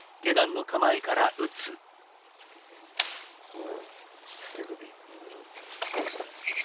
うん手首。